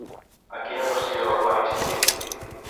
En quina qüestió ha insistit?